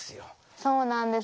そうなんです。